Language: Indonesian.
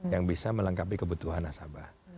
yang bisa melengkapi kebutuhan nasabah